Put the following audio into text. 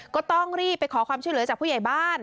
ก็ต้องรีบไปขอความช่วยเหลือจากผู้ใหญ่บ้าน